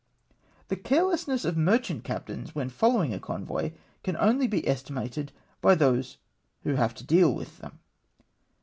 The carelessness of merchant captains when follow ing a convoy can only be estimated by those who have to deal with them.